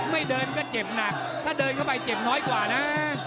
ไม่เดินก็เจ็บหนักถ้าเดินเข้าไปเจ็บน้อยกว่านะ